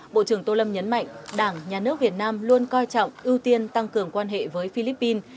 bộ trưởng tô lâm nhấn mạnh đảng nhà nước việt nam luôn coi trọng ưu tiên tăng cường quan hệ với philippines